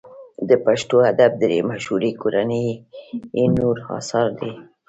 د پښتو ادب درې مشهوري کورنۍ یې نور اثار دي.